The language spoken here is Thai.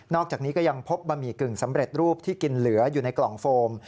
อกจากนี้ก็ยังพบบะหมี่กึ่งสำเร็จรูปที่กินเหลืออยู่ในกล่องโฟม